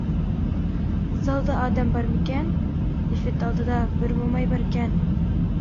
-زالدا ئادەم بارمىكەن؟ -لىفىت ئالدىدا بىر موماي باركەن.